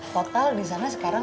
total disana sekarang